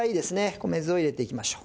米酢を入れていきましょう。